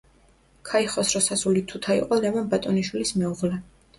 ქაიხოსროს ასული თუთა იყო ლევან ბატონიშვილის მეუღლე.